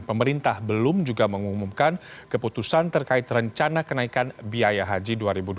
pemerintah belum juga mengumumkan keputusan terkait rencana kenaikan biaya haji dua ribu dua puluh